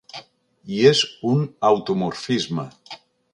I és un automorfisme.